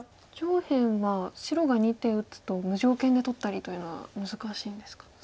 上辺は白が２手打つと無条件で取ったりというのは難しいんですか。